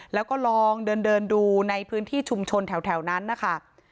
แล้วก็ลองเดินดูในพื้นที่ชุมชนแถวนั้นนะคะ